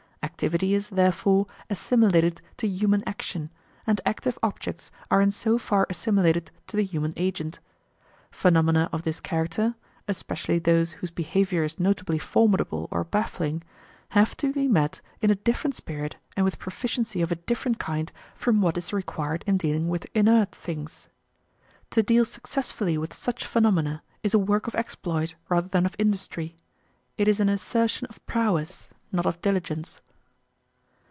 Activity is, therefore, assimilated to human action, and active objects are in so far assimilated to the human agent. Phenomena of this character especially those whose behaviour is notably formidable or baffling have to be met in a different spirit and with proficiency of a different kind from what is required in dealing with inert things. To deal successfully with such phenomena is a work of exploit rather than of industry. It is an assertion of prowess, not of diligence.